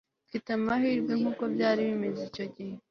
mfite amahirwe nkuko byari bimeze icyo gihe